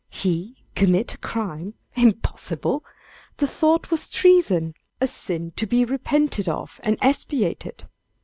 He commit a crime? Impossible! the thought was treason; a sin to be repented of and expiated.